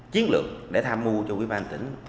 chiến lược để tham mưu cho quỹ ban tỉnh